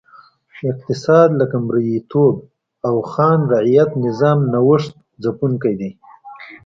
اقتصاد لکه مریتوب او خان رعیت نظام نوښت ځپونکی دی.